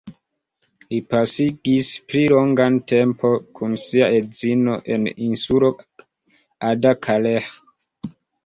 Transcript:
Li pasigis pli longan tempon kun sia edzino en insulo Ada-Kaleh.